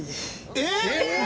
えっ！